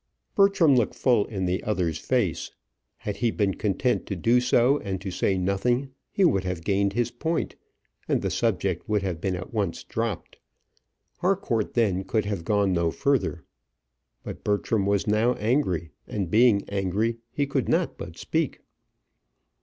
Bertram looked full in the other's face. Had he been content to do so and to say nothing, he would have gained his point, and the subject would have been at once dropped. Harcourt then could have gone no further. But Bertram was now angry, and, being angry, he could not but speak.